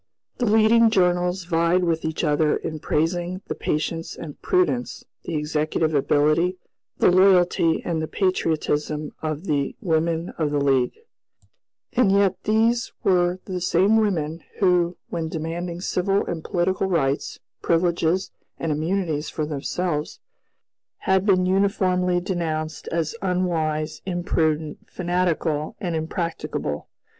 The leading journals vied with each other in praising the patience and prudence, the executive ability, the loyalty, and the patriotism of the women of the League, and yet these were the same women who, when demanding civil and political rights, privileges, and immunities for themselves, had been uniformly denounced as "unwise," "imprudent," "fanatical," and "impracticable."